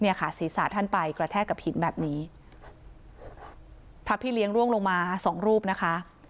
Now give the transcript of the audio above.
ค่ะศีรษะท่านไปกระแทกกับหินแบบนี้พระพี่เลี้ยงร่วงลงมาสองรูปนะคะ